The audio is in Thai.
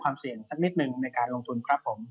เสี่ยงสักนิดหนึ่งในการลงทุนครับผม